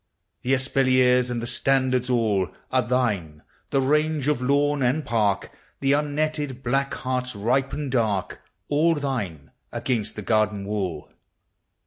The espaliers and the standards all Are thine; the range of lawn and park: The unnetted black hearts ripen dark ; All thine, against the garden wall.